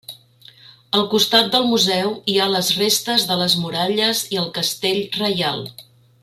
Al costat del museu hi ha les restes de les muralles i el castell reial.